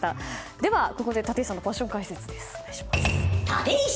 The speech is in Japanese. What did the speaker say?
では、ここで立石さんのパッション解説です。